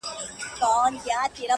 د زندانونو تعبیرونه له چا وپوښتمه؛